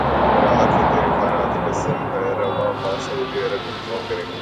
راحت فتح علی خان اور عاطف اسلم رواں ماہ سعودی عرب میں پرفارم کریں گے